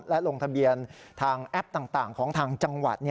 และลงทะเบียนทางแอปต่างของทางจังหวัด